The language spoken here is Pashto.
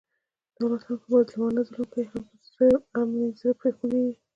دولت هم په مظلومانو ظلم کوي، هم یې زړه پرې خوګېږي.